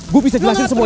gue bisa jelasin semuanya